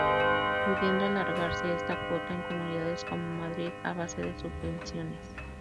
Pudiendo alargarse esta cuota en comunidades como Madrid a base de subvenciones.